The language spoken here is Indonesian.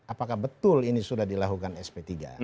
apakah betul ini sudah dilakukan sp tiga